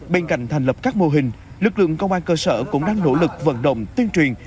bên cạnh thành lập các mô hình lực lượng công an cơ sở cũng đang nỗ lực vận động tuyên truyền